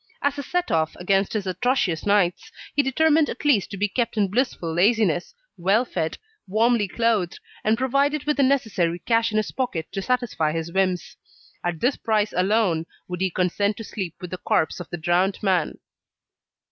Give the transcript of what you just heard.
As a set off against his atrocious nights, he determined at least to be kept in blissful laziness, well fed, warmly clothed, and provided with the necessary cash in his pocket to satisfy his whims. At this price alone, would he consent to sleep with the corpse of the drowned man.